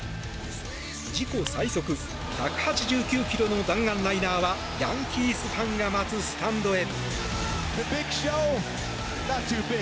自己最速１８９キロの弾丸ライナーはヤンキースファンが待つスタンドへ。